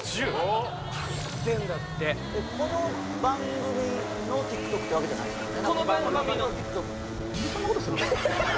いってんだってこの番組のＴｉｋＴｏｋってわけじゃないですよね？